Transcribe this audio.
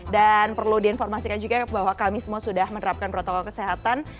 perlu diinformasikan juga bahwa kami semua sudah menerapkan protokol kesehatan